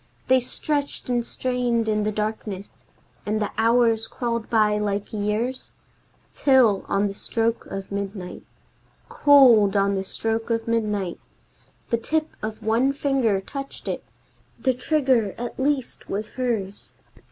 They stretched and strained in the darkness, and the hours crawled by like years, Till, on the stroke of midnight, Cold on the stroke of midnight, The tip of one finger touched it! The trigger at least was hers!